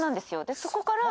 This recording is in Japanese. でそこから。